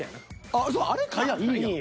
あっそうあれ買やぁいいんや。